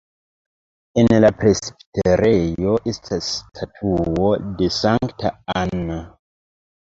En la presbiterejo estas statuo de Sankta Anna.